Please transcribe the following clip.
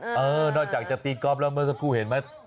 นอกจากจะตีก๊อฟแล้วเมื่อสักครู่เห็นไหม